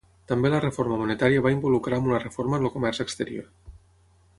També la reforma monetària va involucrar amb una reforma en el comerç exterior.